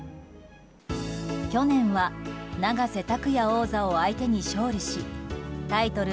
去年は永瀬拓矢王座を相手に勝利しタイトル